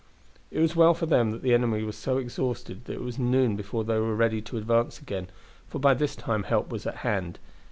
It was well for them that the enemy were so exhausted that it was noon before they were ready to advance again, for by this time help was at hand.